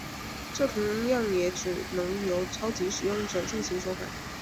这同样也只能由超级使用者进行修改。